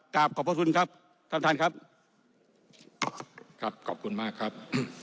ขอบพระคุณครับท่านท่านครับครับขอบคุณมากครับ